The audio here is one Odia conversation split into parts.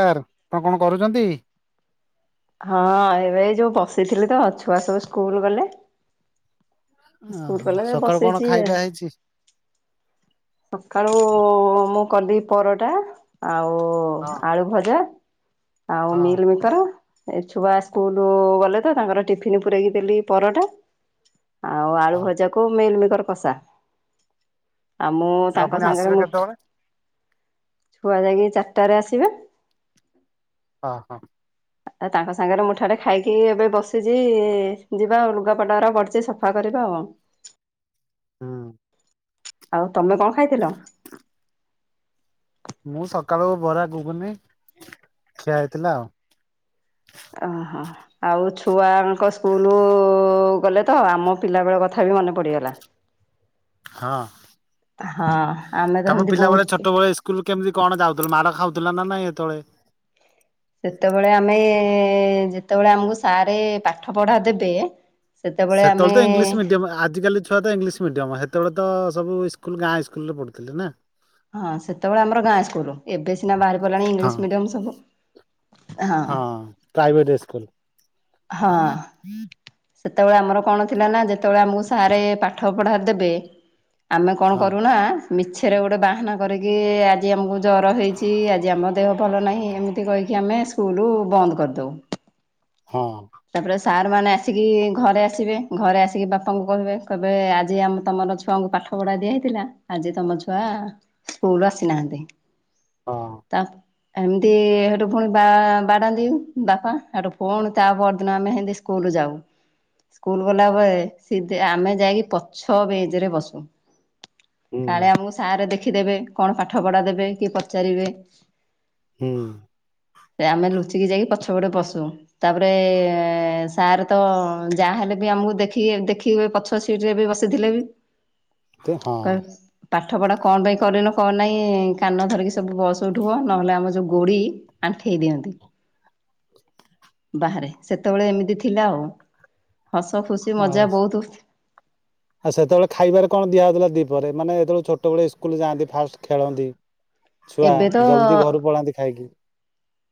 ସାର୍ ଆପଣ କଣ କରୁଚନ୍ତି? ହଁ ଏବେ ଯୋଉ ବସିଥିଲି ତ ଛୁଆ ସବୁ ସ୍କୁଲ ଗଲେ। ସ୍କୁଲ ଓହୋ ଗଲେ ସକାଳୁ କଣ ବସିଚି ଆଉ। ଖାଇବା ହେଇଛି? ସକାଳୁ ମୁଁ କଲି ପରଟା ଆଉ ହଁ ଆଳୁ ଭଜା। ଆଉ ହଁ ମିଲ୍‌ ମିକର? ଏ ଛୁଆ ସ୍କୁଲ ଗଲେ ତ ତାଙ୍କର ଟିଫିନ ପୁରେଇକି ଦେଲି ପରଟା। ଆଉ ଆଳୁ ହଁ ଭଜାକୁ ମିଲ୍‌ ମିକର କଷା। ଆଉ ମୁଁ ଆପଣ ତାଙ୍କ ପୁଣି ସାଙ୍ଗରେ ଆସିବେ ମୁଁ କେତେବେଳେ? ଛୁଆ ଯାଇକି ଚାରି ଟାରେ ଆସିବେ। ହଁ, ହଁ। ଆ ତାଙ୍କ ସାଙ୍ଗରେ ମୁଠାଟେ ଖାଇକି ଏବେ ବସିଛି ଯିବା ଆଉ ଲୁଗାପଟାଅରା ପଡ଼ିଚି ସଫା କରି [unintelligible] ହୁଁ। ଆଉ ତମେ କଣ ଖାଇଥିଲ? ମୁଁ ସକାଳୁ ବରା ଘୁଗୁନି ଖିଆ ହେଇଥିଲା ଆଉ। ଓହୋ ଆଉ ଛୁଆଙ୍କ ସ୍କୁଲୁ ଗଲେ ତ ଆମ ପିଲା ବେଳ କଥା ବି ମନେ ପଡିଗଲା। ହଁ। ହଁ। ଆମେ ତ ତମ ଏମିତି ପିଲାବେଳେ ବହୁତ ଛୋଟବେଳେ ସ୍କୁଲ କେମିତି କଣ ଯାଉଥିଲ ମାଡ ଖାଉଥିଲା ନା ନାଇଁ ହେତଳେ? ଏ ଯେତେବେଳେ ଆମକୁ ସାରେ ପାଠ ପଢା ଦେବେ। ସେତେବେଳେ ତ ଇଂଲିଶ ମିଡିୟମ ଆଜିକାଲି ଛୁଆ ତ ଇଂଲିଶ ମିଡିୟମ ହେତ ସେତେବେଳେ ତ ସବୁ ସ୍କୁଲ ଗାଁ ସ୍କୁଲରେ ପଢୁଥିଲେ ନା? ହଁ ସେତେବେଳେ ଆମର ଗାଁ ସ୍କୁଲ ଏବେ ସିନା ବାହାରି ପଇଲାଣି ହଁ ଇଂଲିଶ ମିଡିୟମ ସବୁ। ହଁ ପ୍ରାଇଭେଟ ସ୍କୁଲ। ହଁ। ସେତେବେଳେ ଆମର କଣ ଥିଲା ନା ଯେତେବେଳେ ଆମକୁ ସାରେ ପାଠ ପଢା ଦେବେ। ଆମେ କଣ ହଁ କରୁନା ମିଛରେ ଗୋଟେ ବାହାନା କରିକି ଆଜି ଆମକୁ ଜର ହେଇଛି ଆଜି ଆମ ଦେହ ଭଲ ନାହିଁ ଏମିତି କହିକି ଆମେ ସ୍କୁଲ ବନ୍ଦ କରି ଦଉ। ହଁ। ସାରମାନେ ଆସିକି ଘରେ ଆସିବେ ଘରେ ଆସିକି ବାପାଙ୍କୁ କହିବେ କହିବେ ଆଜି ଆମେ ତମର ଛୁଆଙ୍କୁ ପାଠ ପାଠ ପଢା ଦିଆ ହେଇଥିଲା ଆଜି ତମ ଛୁଆ ସ୍କୁଲ ଆସିନାହାନ୍ତି। ହଁ। ତାପ ଏମିତି ହେଠୁ ପୁଣି ବା ବାଡାନ୍ତି ବାପା ହେଠୁ ପୁଣି ତାପର [unintelligible] ସ୍କୁଲ ଯାଉ। ସ୍କୁଲ ଗଲାବେଳେ ସି ଆମେ ଯାଇକି ପଛ ବେଞ୍ଚରେ ବସୁ। ହୁଁ କାଳେ ଆମକୁ ସାର୍ ଦେଖିଦେବେ କଣ ପାଠ ପଢା ଦେବେ କି ପଚାରିବେ? ହୁଁ। ସେ ଆମେ ଲୁଚିକି ଯାଇକି ପଛପଟେ ବସୁ ତାପରେ ଏ ସାର୍ ତ ଯାହା ହେଲେ ବି ଆମକୁ ଦେଖିକି ଦେଖିକି ପଛ ସିଟରେ ବି ବସିଥିଲେ ବି। ତେ ହଁ। କହିବେ ପାଠ ପଢା କଣ ପାଇଁ କରିନ କ ନହିଁ କାନ ଧରିକି ସବୁ ବସ ଉଠୁହୁଅ ନହେଲେ ଆମ ଯୋଉ ଗୋଡି ଆଣ୍ଠେଇଦିଅନ୍ତି ବାହାରେ। ସେତେବେଳେ ଏମିତି ଥିଲା ଆଉ ହସ ଖୁସି ଆଉ ମଜା ବହୁତ। ଆଉ ସେତେବେଳେ ଖାଇବାରେ କଣ ଦିଆ ହଉଥିଲା ଦିପ ପରେ ମାନେ ଯେତେବେଳେ ଛୋଟବେଳେ ସ୍କୁଲ ଯାଆନ୍ତି ଫାଷ୍ଟ ଖେଳନ୍ତି? ଛୁଆ ଏବେ ଜଲଦି ତ ଘରୁ ପଳାନ୍ତି ଖାଇକି।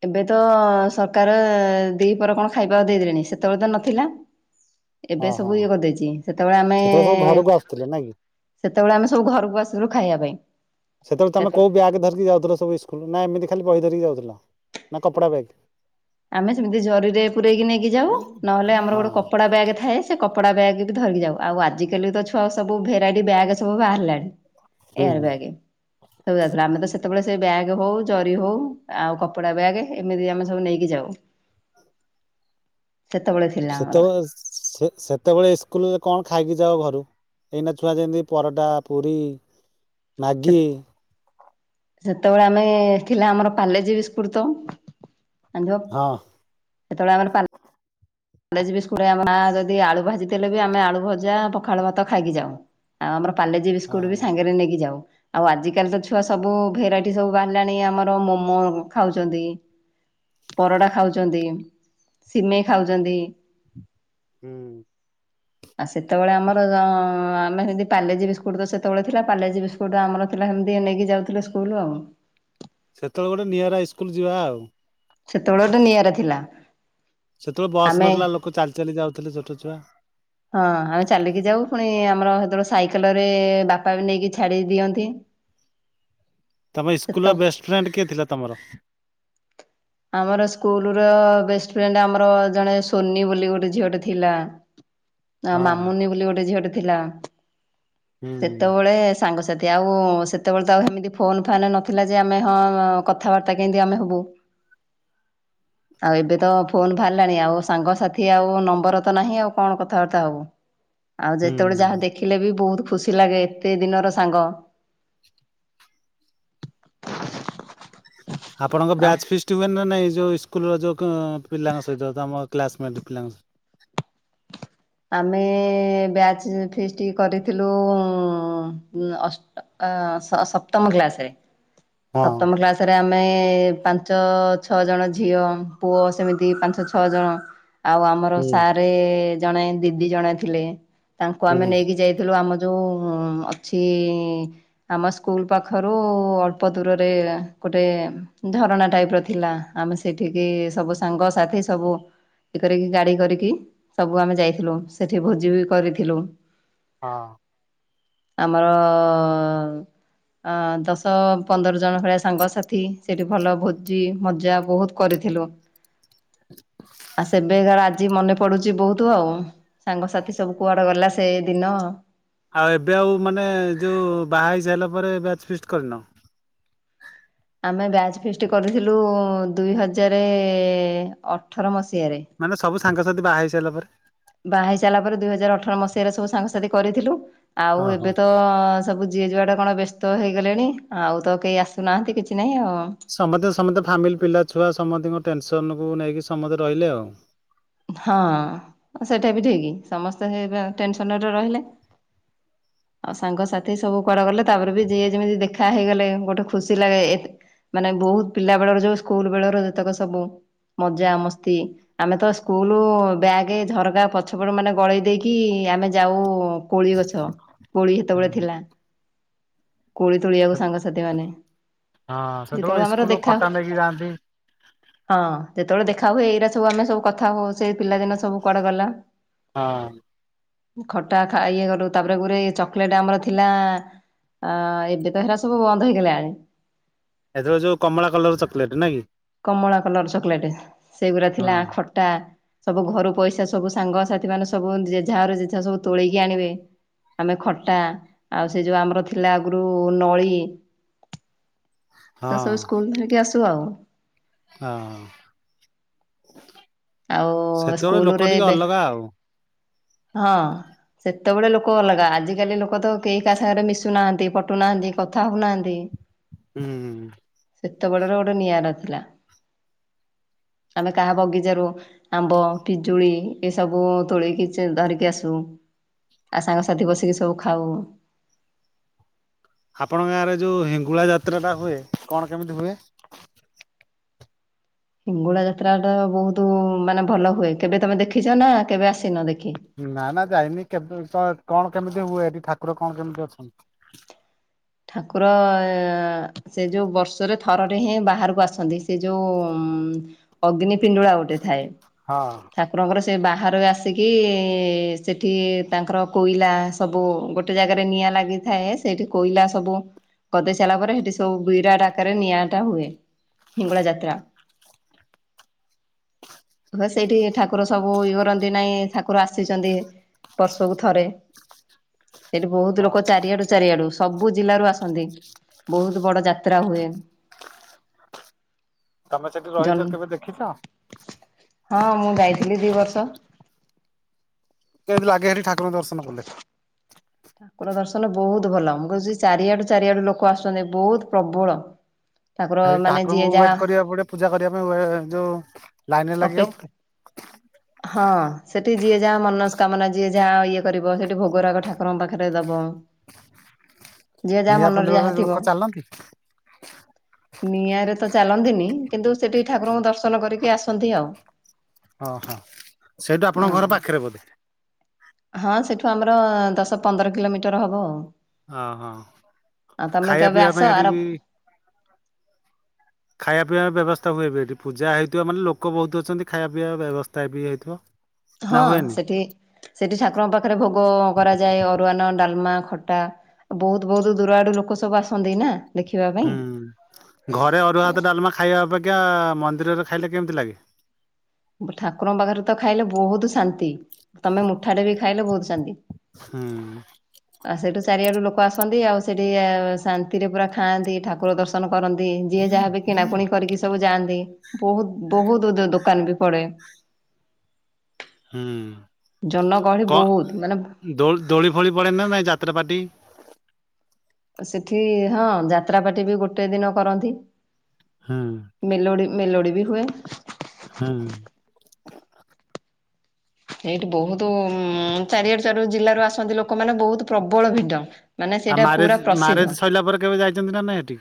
ଏବେ ତ ସରକାର ଦିପରେ କଣ ଖାଇବା ଦେଇଦେଲେଣି ସେତେବେଳେ ତ ନଥିଲା। ଏବେ ହଁ ହଁ ସବୁ ଇଏ କରିଦେଇଛି ସେତେବେଳେ ଆମେ ସବୁ ଘରକୁ ଆସୁଥିଲେ ନାଇଁ କି? ସେତେବେଳେ ଆମେ ସବୁ ଘରକୁ ଆସିଥିଲୁ ଖାଇବା ପାଇଁ। ସେତେବେଳେ ତମେ କୋଉ ବ୍ୟାଗ ଧରିକି ଯାଉ ସୁ ସ୍କୁଲ ନା ଏମିତି ଖାଲି ବହି ଧରିକି ଯାଉଥିଲ ନା କପଡା ବ୍ୟାଗ୍? ଆମେ ସେମିତି ଜରିରେ ପୂରେଇକି ନେଇକି ଯାଉ ନହେଲେ ଆମର ହଁ ଗୋଟେ କପଡା ବ୍ୟାଗ ଥାଏ ସେ କପଡା ବ୍ୟାଗ ଧରିକି ଯାଉ ଆଉ ଆଜିିକାଲି ତ ଛୁଆ ସବୁ ଭେରାଇଟି ବ୍ୟାଗ୍ ସବୁ ବାହାରିଲାଣି। ହୁଁ ଏହାର ହୁଁ। ବ୍ୟାଗ୍ ଆଗଥିଲା ଆମେ ତ ସେତେବେଳେ ସେ ବ୍ୟାଗ ହଉ ଜରି ହଉ ଆଉ କପଡା ବ୍ୟାଗ୍ ଏମିତି ଆମେ ସବୁ ନେଇକି ଯାଉ। ସେତେବେଳେ ଥିଲା ଆମର ସେତେବେଳେ ସେ ସେତେବେଳେ ସ୍କୁଲରେ କଣ ଖାଇ ଖାଇକି ଯାଅ ଘରୁ ଏଇନା ଛୁଆ ଯେମିତି ପରଟା, ପୁରୀ, ମାଗି ସେତେବେଳେ ଆମେ ଥିଲା ଆମର ପାଲେଜୀ ବିସ୍କୁଟ ତ [unintelligible] ହଁ ସେତେବେଳେ ଆମର ପା କଲେଜ ବି ସ୍କୁ ମା ଯଦି ଆଳୁ ଭାଜି ଦେଲେ ବି ଆମେ ଆଳୁ ଭଜା ପଖାଳ ଭାତ ଖାଇକି ଯାଉ। ଆଉ ଆମର ପାଲେଜି ହଁ। ବିସ୍କୁଟ ବି ସାଙ୍ଗରେ ନେଇକି ଯାଉ। ଆଉ ଆଜିକାଲି ତ ଛୁଆ ସବୁ ଭେରାଇଟି ସବୁ ବାହାରିଲାଣି ଆମର ମୋମୋ ଖାଉଛନ୍ତି। ପରଟା ଖାଉଛନ୍ତି ସିମେଇ ଖାଉଛନ୍ତି। ହୁଁ ଆ ସେତେବେଳେ ଆମର ଆଁ ଆମେ ସେମିତି ପାଲେଜଜି ବିସ୍କୁଟ୍ ତ ସେତେବେଳେ ଥିଲା ପାଲେଜି ବିସ୍କୁଟ୍ ଆମର ଥିଲା ସେମିତି ନେଇକି ଯାଉଥିଲୁ ଷ୍କୁ ଲୁ ଆଉ। ସେତେବେଳେ ଗୋଟେ ନିଆରାଇ ଇସ୍କୁଲ ଯିବା ଆଉ। ସେତେବେଳେ ଗୋଟେ ନିଆରା ଥିଲା। ସେତେବେଳେ ବସ୍ ଆମେ ନଥିଲା ଲୋକ ଚାଲି ଚାଲି ଯାଉଥିଲେ ଛୋଟ ଛୁଆ। ହଁ ଆମେ ଚାଲିକି ଯାଉ ପୁଣି ଆମର ତେଣୁ ସାଇକଲରେ ବାପା ନେଇକି ଛାଡି ଦିଅନ୍ତି। ତମ ସେ ତ ଇସ୍କୁଲର ବେଷ୍ଟ ଫ୍ରେଣ୍ଡ କିଏ ଥିଲା ତମର? ଆମର ସ୍କୁଲ ର ବେଷ୍ଟ ଫ୍ରେଣ୍ଡ ଆମର ଜଣେ ସୋନି ବୋଲି ଗୋଟେ ଝିଅଟେ ଥିଲା। ଆଁ ହଁ ମାମୁନି ବୋଲି ଗୋଟେ ଝିଅଟେ ଥିଲା ହୁଁ ସେତେବେଳେ ସାଙ୍ଗସାଥି ଆଉ ସେତେବେଳେ ତ ଆଉ ହେମିତି ଫୋନ ଫାନ୍ ନଥିଲା ଯେ ଆମେ ହଁ କଥାବାର୍ତ୍ତା କେମିତି ଆମେ ହେବୁ? [inaudible] ଆଉ ଏବେ ତ ଫୋନ ବାହାରିଲାଣି ଆଉ ସାଙ୍ଗସାଥି ଆଉ ନମ୍ବର ତ ନାହିଁ ଆଉ କଣ କଥାବାର୍ତ୍ତା ହବୁ? ଆଉ ଯେତେବେଳେ ଯାହା ହୁଁ ଦେଖିଲେ ବି ବହୁତ ଖୁସି ଲାଗେ ଏତେ ଦିନର ସାଙ୍ଗ। [inaudible] ଆପଣଙ୍କ ଆଉ ବ୍ୟାଚ ଫିଷ୍ଟ ହୁଏ ନା ନାଇଁ? ଯୋଉ ଇସ୍କୁଲର ଯୋଉ ପିଲାଙ୍କ ସହିତ ତମ କ୍ଲାସମେଟ ପିଲାଙ୍କ ସା ଆମେ ବ୍ୟାଚ୍ ଫିଷ୍ଟି କରିଥିଲୁ ଉଁ ଅଷ୍ଟ ଅ ଅ ସ ସପ୍ତମ କ୍ଲାସରେ ହଁ ସପ୍ତମ କ୍ଲାସରେ ଆ ଆମେ ପାଞ୍ଚ ଛଅ ଜଣ ଝିଅ ପୁଅ ସେମିତି ପାଞ୍ଚ ଛଅ ଜଣ। ଆଉ ଆମର ହୁଁ ସାରେ ଜଣେ ଦିଦି ଜଣେ ଥିଲେ ତାଙ୍କୁ ହୁଁ ଆମେ ହଁ। ନେଇକି ଯାଇଥିଲୁ ଆମ ଯୋଉ ଉଁ ଅଛି ଆମ ସ୍କୁଲ ପାଖରୁ ଅଳ୍ପ ଦୂରରେ ଗୋଟେ ଝରଣା ଟାଇପ ର ଥିଲା ଆମେ ସେଠିକି ସବୁ ସାଙ୍ଗସଥି ସବୁ ଏ କରିକି ଗାଡି କରିକି ସବୁ ଆମେ ଯାଇଥିଲୁ ସେଠି ଭୋଜି ବି କରିଥିଲୁ। ହଁ। ଆମର ଅ ଅ ଦଶ ପନ୍ଦର ଜଣ ଭଳିଆ ସାଙ୍ଗସାଥି ସେଠି ଭଲ ଭୋଜି ମଜା ବହୁତ କରିଥିଲୁ। ଆ ସେବେକାର ଆଜି ମନେ ପଡୁଛି ବହୁତ। ତୁ ଆଉ ସାଙ୍ଗସାଥି ସବୁ କୁଆଡେ ଗଲା ସେ ଦିନ? ଆଉ ଏବେ ଆଉ ମାନେ ଯୋଉ ବାହା ହେଇ ସାରିଲା ପରେ ବ୍ୟାଚ ଫିଷ୍ଟି କରିନ? ଆମେ ବ୍ୟାଜ୍ ଫିସ୍ଟ୍ କରିଥିଲୁ ଦୁଇ ହଜାର ଅଠର ମସିହା ସେରେ ସାଙ୍ଗ ସାଥି ବାହା ହେଇ ସାରିଲା ପରେ ବାହା ହେଇ ସାରିଲା ପରେ ଦୁଇ ହଜାର ଅଠର ମସିହାରେ ସବୁ ସାଙ୍ଗସାଥି କରିଥିଲୁ। ଆଉ ଓହୋ ଏବେ ତ ସବୁ ଯିଏ ଯୁଆଡେ କଣ ବ୍ୟସ୍ତ ହେଇଗଲେଣି ଆଉ ତ କେହି ଆସୁନାହାନ୍ତି କିଛି ନାହିଁ ଆଉ ସମସ୍ତେ ସମସ୍ତେ ଫାମିଲି ପିଲା ଛୁଆ ସମସ୍ତଙ୍କ ଟେନସନ୍ କୁୁ ନେଇକି ସମସ୍ତେ ରହିଲେ ଆଉ ହଁ ସେଇଟା ବି ଠିକ୍ ସମସ୍ତେ ଏବେ ଟେନସନ୍ ରେ ରହିଲେ। [inaudible] ଆଉ ସାଙ୍ଗସାଥି ସବୁ କୁଆଡେ ଗଲେ ତାପରେ ବି ଯିଏ ଯେମିତି ଦେଖା ହେଇଗଲେ ଗୋଟେ ଖୁସି ଲାଗେ ମାନେ ବହୁତ ପିଲା ବେଳର ଯୋଉ ସ୍କୁଲ ବେଳର ଯେତେକ ସବୁ ମଜା ମସ୍ତି ଆମେ ତ ସ୍କୁଲ ବ୍ୟାଗ୍ ଝରକା ପଛପଟ ମାନେ ଗଳେଇ ଦେଇକି ଆମେ ଯାଉ କୋଳି ଗଛ କୋଳି ସେତେବେଳେ ଥିଲା କୋଳି ତୋଳିଆକୁ ସାଙ୍ଗସାଥି ମାନେ ହଁ ଯେତେବେଳେ ସେତେବେଳେ ଆମର ସ୍କୁଲରୁ ଦେଖା ଖଟା ନେଇକି ଯାଆନ୍ତି। ହଁ ଯେତେବେଳେ ଦେଖା ହୁଏ ଏଇରା ସବୁ ଆମେ ସବୁ କଥା ହଉ ସେ ପିଲାଦିନ ସବୁ କୁଆଡେ ଗଲା। ହଁ। ଖଟା ଖାଏ [unintelligible] କରଲୁ ତାପରେ ଗୋଟେ ଚକୋଲେଟ ଆମର ଥିଲା। ଆଁ ଏବେ ତ ହେରା ସବୁ ବନ୍ଦ ହେଇଗଲାଣି। ଏଥିର ଯୋଉ କମଳା କଲର ଚକୋଲେଟ ନା କି। କମଳା କଲର ଚକୋଲେଟ ସେଗୁଡା ହଁ ଥିଲା ଖଟା ସବୁ ଘରୁ ପଇସା ସବୁ ସାଙ୍ଗସାଥି ମାନେ ସବୁ ଜେଝା ଘରୁ ଜେଝା ସବୁ ତୋଳିକି ଆଣିବେ। ଆମେ ଖଟା ଆଉ ସେ ଯୋଉ ଆମର ଥିଲା ଆଗରୁ ନଳୀ। ହଁ ସେ ସବୁ ସ୍କୁଲ ଧରିକି ଆସୁ ଆଉ ହଁ ଆଉ [inaudible] ସେତେବେଳେ ସ୍କୁଲରେ ଲୋକ ଟିକେ ଏବେ ଅଲଗା ଆଉ ହଁ। ସେତେବେଳେ ଲୋକ ଅଲଗା ଆଜିକାଲି ଲୋକ ତ କେହି କାହା ସାଙ୍ଗରେ ମିଶୁନାହାନ୍ତି ପଟୁନାହାନ୍ତି କଥା ହଉନାହାନ୍ତି। ହୁଁ। ସେତେ ବଡର ଗୋଟେ ନିଆରା ଥିଲା ଆମେ କାହା ବଗିଚାରୁ ଆମ୍ବ ପିଜୁଳି ଏ ସବୁ ତୋଳକି ଧରିକି ଆସୁ। ଆଉ ସାଙ୍ଗସାଥି ବସିକି ସବୁ ଖାଉ। ଆପଣଙ୍କ ଗାଁରେ ଯୋଉ ହେଙ୍ଗୁଳା ଯାତ୍ରା ଟା ହୁଏ କଣ କେମିତି ହୁଏ? ହିଙ୍ଗୁଳା ଯାତ୍ରା ତା ବହୁତ ମାନେ ଭଲ ହୁଏ କେବେ ତମେ ଦେଖିଛ ନା କେବେ ଆସିନ ଦେ ନା ନା ଯାଇନି କେବେ ତ କଣ କେମିତି ହୁଏ ଏଠି ଠାକୁର କଣ କେମିତି ଅଛନ୍ତି? ଠାକୁର ସେ ଯୋଉ ବର୍ଷରେ ଥରରେ ହିଁ ବାହାରକୁ ଆସନ୍ତି ସେ ଯୋଉ ଉଁ ଅଗ୍ନି ପିଣ୍ଡୁଳା ଗୋଟେ ଥାଏ। ହଁ। ଠାକୁରଙ୍କର ସେ ବାହାରୁ ଆସିକି ସେଠି ତାଙ୍କର କୋଇଲା ସବୁ ଗୋଟେ ଜାଗାରେ ନିଆ ଲାଗିଥାଏ ସେଠି କୋଇଲା ସବୁ ଗଦେଇ ସାରିଲା ପରେ ସେଠି ସବୁ ବିରା ଡାକରେ ନିଆଁଟା ହୁଏ। ହିଙ୍ଗୁଳା ଯାତ୍ରା। ହ ସେଇଠି ଠାକୁର ସବୁ ଇଓ କରନ୍ତି ନାଇଁ ଠାକୁର ଆସିଛନ୍ତି ବର୍ଷକୁ ଥରେ ସେଇଠି ବହୁତ ହଁ ଲୋକ ଚାରିଆଡୁ ଚାରିଆଡୁ ସବୁ ଜିଲ୍ଲାରୁ ଆସନ୍ତି ବହୁତ ବଡ ଯାତ୍ରା ହୁଏ। ତମେ ସେଠି ଜନ୍ ରହିଛ କେବେ ଦେଖିଛ।? ଦି ଦି ବର୍ଷ। କେମିତି ଲାଗେ ହେରି ଠାକୁର ଦର୍ଶନ କଲେ? ଠାକୁର ଦର୍ଶନ ବହୁତ ଭଲ ମୁଁ କହୁଛି ଚାରିଆଡୁ ଚାରିଆଡୁ ଲୋକ ଆସୁଛନ୍ତି ବହୁତ ପ୍ରବଳ ଠାକୁର ଏଇ ମାନେ ଯିଏ ଠାକୁରଙ୍କୁ ଯାହା ୱେଟ୍ କରିବାକୁ ପଡିବ ପୂଜା କରିବା ପାଇଁ ଯୋଉ ଲାଇନରେ ଅପେ ଲାଗିବ। [unintelligible] ହଁ ସେଠି ଯିଏ ଯାହା ମନସ୍କାମନା ଯିଏ ଯାହା ଇଏ କରିବ ସେଠି ଭୋଗରାଗ ଠାକୁରଙ୍କ ପାଖରେ ଦବ। ହଁ ଯିଏ ଯାହା ନିଆଁ ମନରେ ପିଣ୍ଡରେ ଯାହା ଲୋକ ଥିବ। ଚାଲନ୍ତି। ନିଆଁରେ ତ ଚାଲନ୍ତିନି କିନ୍ତୁ ସେଠି ଠାକୁରଙ୍କୁ ଦର୍ଶନ କରିକି ଆସନ୍ତି ଆଉ। ଓଁ ହଁ ସେଇଠୁ ଆପଣଙ୍କ ଘର ପାଖରେ ବୋଧେ। ହଁ ସେଠୁ ଆମର ଦଶ ପନ୍ଦର କିଲୋମିଟର ହବ ଆଉ। ଓହୋ ଆଉ ତମେ ଖାଇବା କେବେ ପିଇବା ଆସ ପାଇଁ ସେଠି ଆର ବି ଖାଇବା ପିଇବା ବ୍ୟବସ୍ଥା ହୁଏ ବି ଏଠି ପୂଜା ହେଇଥିବ ମାନେ ଲୋକ ବହୁତ ଅଛନ୍ତି ଖାଇବା ପିଇବା ବ୍ୟବସ୍ଥା ବି ହେଇଥିବ। ନା ହଁ ହୁଏନି ସେଠି ସେଠି ଠାକୁରଙ୍କ ପାଖରେ ଭୋଗ କରାଯାଏ ଅରୁଆନ ଡ଼ାଲମା ଖଟା ବହୁତ ବହୁତ ଦୂର ଆଡ଼ୁ ଲୋକ ସବୁ ଆସନ୍ତି ନା। ଦେଖିବା ହୁଁ ପାଇଁ। ଘରେ ଅରୁଆ ହାତ ଡ଼ାଲମା ଖାଇବା ଅପେ କ୍ଷା ମନ୍ଦିରରେ ଖାଇଲେ କେମିତି ଲାଗେ? ଠାକୁରଙ୍କ ପାଖରେ ତ ଖାଇଲେ ବହୁତ ଶାନ୍ତି ତମେ ମୁଠାଟେ ବି ଖାଇଲେ ବହୁତ ଶାନ୍ତି। ହୁଁ ଆ ସେଇଠୁ ଚାରିଆଡ଼ୁ ଲୋକ ଆସନ୍ତି ଆଉ ସେଠି ଆ ଶାନ୍ତିରେ ପୁରା ଖାଆନ୍ତି ଠାକୁର ଦର୍ଶନ କରନ୍ତି ଯିଏ ଯାହା ବି କିଣାକୁଣି କରିକି ସବୁ ଯାଆନ୍ତି ବହୁତ ବହୁତ ଦୋ ଦେ ଦୋକାନ ବି ପଡ଼େ ହୁଁ ବହୁତ କଣ ମାନେ ଦୋ ଦୋଳି ଫୋଳି ପଡ଼େ ନା ନାଇଁ ଯାତ୍ରାପାଟି। ସେଠି ହଁ ଯାତ୍ରାପାଟି ବି ଗୋଟେ ଦିନ କରନ୍ତି। ହୁଁ। ମେଲୋଡ଼ି ବି ହୁଏ। ହୁଁ। ସେଇଠି ବହୁତ ଉଁ ଚାରିଆଡ଼ୁ ଚାରିଆଡ଼ୁ ଜିଲ୍ଲାରୁ ଆସନ୍ତି ଲୋକମାନେ ବହୁତ ପ୍ରବଳ ଭିଡ଼। ଆଉ ମ୍ୟାରେଜ ମ୍ୟାରେଜ ସରିଲା ପରେ କେବେ ଯାଇଛନ୍ତି ନା ନାଇଁ ଏଠି?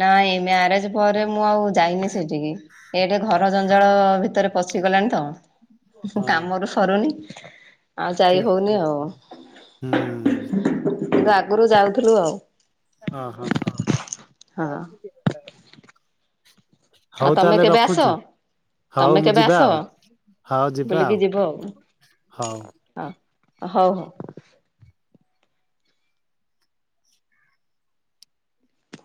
ନାଇଁ ମ୍ୟାରେଜ ପରେ ମୁଁ ଆଉ ଯାଇନି ସେଠିକି ଏଠି ଘର ଜଞ୍ଜାଳ ଭିତରେ ପ ସିଗଲାଣି ତ ହଁ କାମରୁ ସରୁନି। ଆଉ ଯାଇ ଠିକ ହଉନି ଆଉ କଥା ହୁଁ। କିନ୍ତୁ ଆଗରୁ ଯାଉଥିଲୁ ଆଉ। ହଁ ହଁ। ହଁ। ଆଉ ତମେ କେବେ ଆସ? ହଉ ତମେ ମୁଁ କେବେ ଯିବା ଆସ ଆଉ ହଉ ଯିବା ବୁଲିକି ଯିବ ଆଉ ହଉ ହଁ। ହଉ ହଉ।